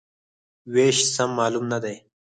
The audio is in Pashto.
وېش سم معلوم نه دی.